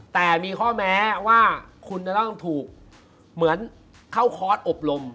แต่มีข้อแม้ว่าคุณจะต้องถูกเหมือนเข้าคอร์สอบรม